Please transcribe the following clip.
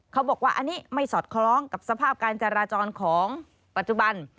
เขาบอกว่าอันนี้ไม่สอดคล้องกับสภาพการจราจรของปัจจุบัน